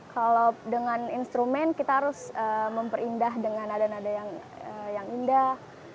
kalau dengan instrumen kita harus memperindah dengan nada nada yang indah